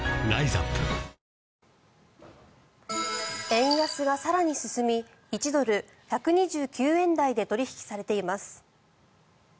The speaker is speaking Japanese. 円安が更に進み１ドル＝１２９円台で取引されています。